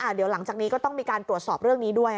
เดี๋ยวหลังจากนี้ก็ต้องมีการตรวจสอบเรื่องนี้ด้วย